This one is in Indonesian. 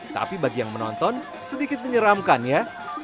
tapi bagi yang menonton sedikit menyeramkan ya